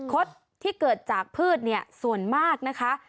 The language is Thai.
คดที่เกิดจากพืชส่วนมากนะคะ